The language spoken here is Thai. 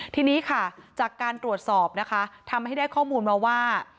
ทีนี้ค่ะจากการตรวจสอบนะคะทำให้ได้ข้อมูลมาว่า